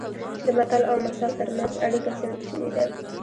د متل او مثل ترمنځ اړیکه څېړل شوې ده